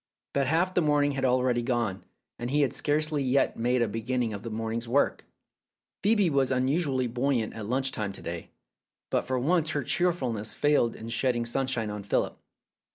But half the morning had already gone, and he had scarcely yet made a beginning of the morning's work. Phcebe was unusually buoyant at lunch time to day, but for once her cheerfulness failed in shedding sunshine on Philip.